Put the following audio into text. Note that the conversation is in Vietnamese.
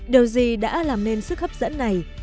điều gì đã làm nên sức hấp dẫn này